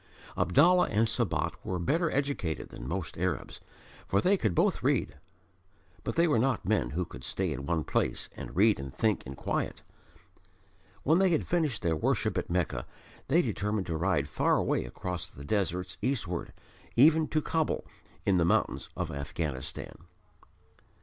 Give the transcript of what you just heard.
Abdallah and Sabat were better educated than most Arabs, for they could both read. But they were not men who could stay in one place and read and think in quiet. When they had finished their worship at Mecca, they determined to ride far away across the deserts eastward, even to Kabul in the mountains of Afghanistan.